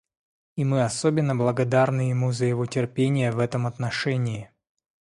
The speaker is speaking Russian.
И мы особенно благодарны ему за его терпение в этом отношении.